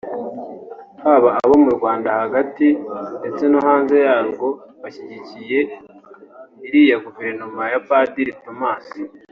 baba abo mu Rwanda hagati ndetse no hanze yarwo bashyigikiye iriya Guverinoma ya Padiri Thomas